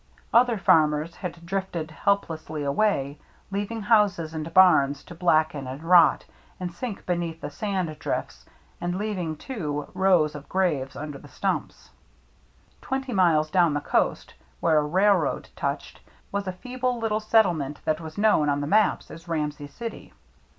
Other farmers had drifted helplessly away, leaving houses and barns to blacken and rot and sink beneath the sand drifts, and leaving, too, rows of graves under the stumps. Twenty miles down the coast, where a rail road touched, was a feeble little settlement that was known, on the maps, as Ramsey City.